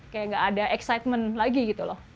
kayak gak ada excitement lagi gitu loh